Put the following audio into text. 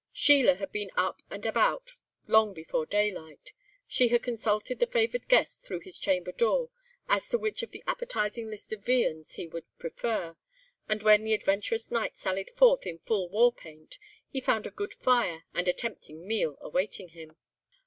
Sheila had been up and about long before daylight. She had consulted the favoured guest through his chamber door, as to which of the appetising list of viands he would prefer, and when the adventurous knight sallied forth in full war paint, he found a good fire and a tempting meal awaiting him.